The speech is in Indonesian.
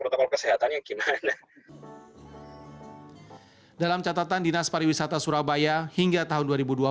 protokol kesehatannya gimana dalam catatan dinas pariwisata surabaya hingga tahun dua ribu dua puluh